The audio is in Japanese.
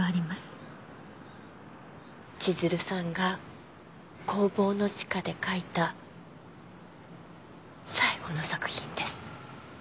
千鶴さんが工房の地下で描いた最後の作品です。